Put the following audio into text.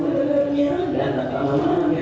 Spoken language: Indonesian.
keterlaluannya dan tak lama lagi